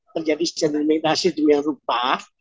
terjadi sedimentasi di dunia rupa